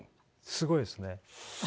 すごいですね。